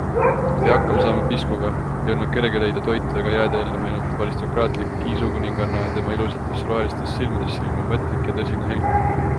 Ta pidi hakkama saama piskuga - ei olnud kerge leida toitu ega jääda ellu, meenutab aristokraatlik kiisukuninganna ja tema ilusatesse rohelistesse silmadesse ilmub mõtlik ja tõsine helk.